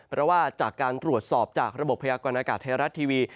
เพราะว่าจากการตรวจสอบจากระบบพยากรณากาศไทยรัฐทีวี